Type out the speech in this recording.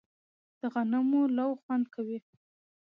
د غنمو لو خوند کوي